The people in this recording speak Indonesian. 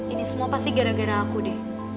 ini semua pasti gara gara aku deh